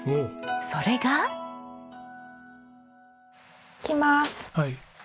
それが。いきまーす。